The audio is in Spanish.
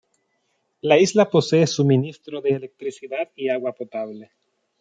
La isla posee suministro de electricidad y agua potable.